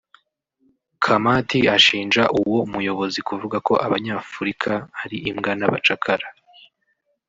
Khamati ashinja uwo muyobozi kuvuga ko abanyafurika ari imbwa n’abacakara